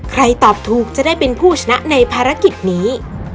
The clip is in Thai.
ตอบถูกจะได้เป็นผู้ชนะในภารกิจนี้